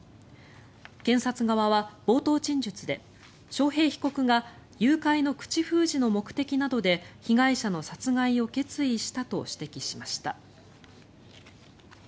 検察側は冒頭陳述で章平被告が誘拐の口封じの目的などで被害者の殺害を決意したと指摘しました。